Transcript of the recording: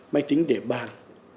máy tính để bàn